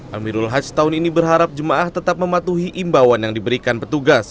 amirul haj tahun ini berharap jemaah tetap mematuhi imbauan yang diberikan petugas